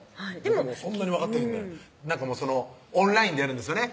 僕もそんなに分かってへんねんなんかオンラインでやるんですよね